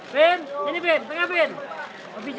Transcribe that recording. pin sini pin tengah pin